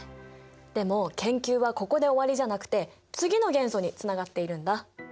でも研究はここで終わりじゃなくて次の元素につながっているんだ。